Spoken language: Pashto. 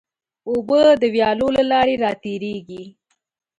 اوبه د ویالو له لارې راتېرېږي.